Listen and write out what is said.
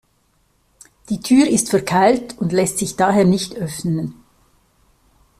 Die Tür ist verkeilt und lässt sich daher nicht öffnen.